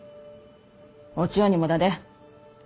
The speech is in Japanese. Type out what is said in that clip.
お千代にもだで。